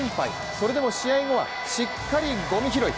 それでも試合後はしっかりごみ拾い。